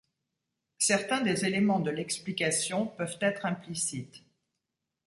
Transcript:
Certains des éléments de l'explication peuvent être implicites.